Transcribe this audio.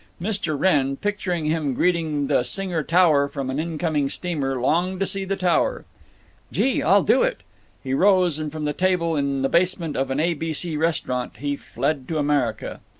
Mr. Wrenn, picturing him greeting the Singer Tower from an incoming steamer, longed to see the tower. "Gee! I'll do it!" He rose and, from that table in the basement of an A. B. C. restaurant, he fled to America.